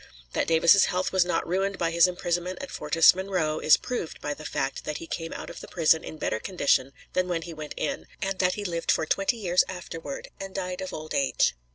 That Davis's health was not ruined by his imprisonment at Fortress Monroe is proved by the fact that he came out of the prison in better condition than when he went in, and that he lived for twenty years afterward, and died of old age.